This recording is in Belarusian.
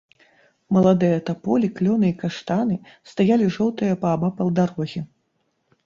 Маладыя таполі, клёны і каштаны стаялі жоўтыя паабапал дарогі.